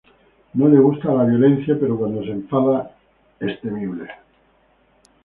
No le gusta la violencia, pero cuando se enfada es temible.